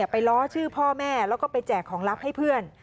ไปล้อชื่อพ่อแม่แล้วก็ไปแจกของลับให้เพื่อน